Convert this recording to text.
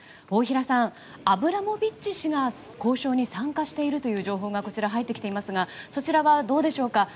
大平さん、アブラモビッチ氏が交渉に参加しているという情報が入ってきていますがそちらはどうでしょうか？